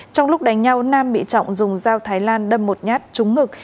trong lúc đánh nhau nam bị trọng dùng dao thái lan đâm một nhát trúng ngực